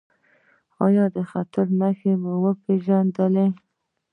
ایا د خطر نښې مو وپیژندلې؟